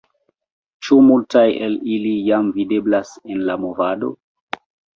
Ĉu multaj el ili jam videblas en la movado?